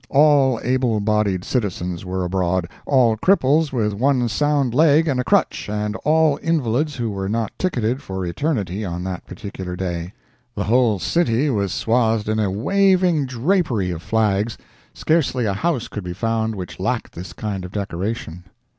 All able bodied citizens were abroad, all cripples with one sound leg and a crutch and all invalids who were not ticketed for eternity on that particular day. The whole city was swathed in a waving drapery of flags—scarcely a house could be found which lacked this kind of decoration.